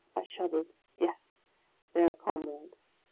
I shuddered : yes ! their " comrade